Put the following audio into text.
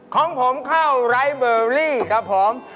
ของผมเข้าไร้เบอร์รี่ครับผม